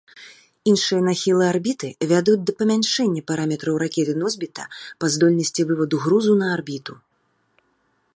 Іншыя нахілы арбіты вядуць да памяншэння параметраў ракеты-носьбіта па здольнасці вываду грузу на арбіту.